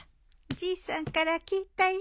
じいさんから聞いたよ。